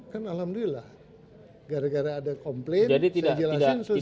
kan alhamdulillah gara gara ada komplit saya jelasin selesai